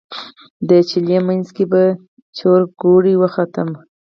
د چلې منځ کې په چورګوړي وختم.